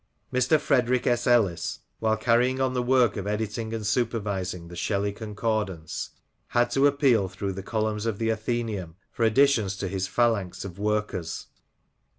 Mr. Frederic S. Ellis, while carrying on the work of editing and supervising the Shelley Concordance, had to appeal through the columns of The Athencemn for additions to his phalanx of workers.